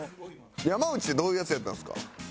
山内ってどういうヤツやったんですか？